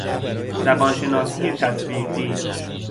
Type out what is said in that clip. زبانشناسی تطبیقی